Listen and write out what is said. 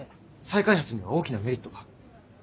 再開発には大きなメリットが。